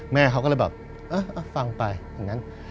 แม่เขาก็เลยแบบเออฟังไปอย่างนั้น